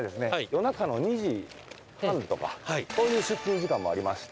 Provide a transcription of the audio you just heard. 夜中の２時半とかそういう出勤時間もありまして。